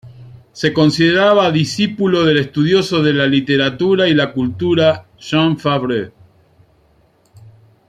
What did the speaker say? Se consideraba discípulo del estudioso de la literatura y la cultura Jean Fabre.